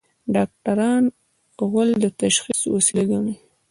ډاکټران غول د تشخیص وسیله ګڼي.